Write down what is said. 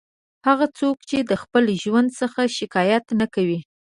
هغه څوک چې د خپل ژوند څخه شکایت نه کوي.